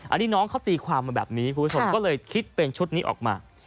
อันนี้น้องเขาตีความมาแบบนี้คุณผู้ชมก็เลยคิดเป็นชุดนี้ออกมา